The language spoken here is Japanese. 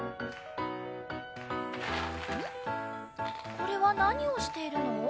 これはなにをしているの？